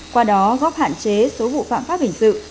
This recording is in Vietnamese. qua đó góp hạn chế số vụ phạm pháp hình sự